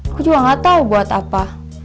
aku juga gak tau buat apa